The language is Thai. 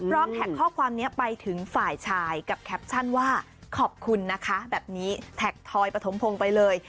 แท็กข้อความนี้ไปถึงฝ่ายชายกับแคปชั่นว่าขอบคุณนะคะแบบนี้แท็กทอยปฐมพงศ์ไปเลย